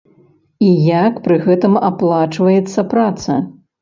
І як пры гэтым аплачваецца праца?